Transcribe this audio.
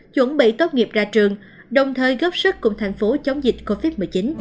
chuẩn bị tốt nghiệp ra trường đồng thời góp sức cùng thành phố chống dịch covid một mươi chín